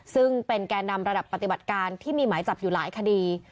ซึ่งเป็นแก่นำระดับปฏิบัติการที่มีหมายจับอยู่หลายคดี